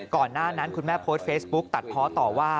ก่อนหน้านั้นคุณแม่โพสต์เฟซบุ๊กตัดเพาะต่อว่า